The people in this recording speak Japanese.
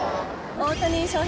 大谷翔平